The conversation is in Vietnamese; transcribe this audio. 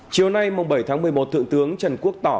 chiều nay bảy tháng một mươi một thượng tướng trần quốc tỏ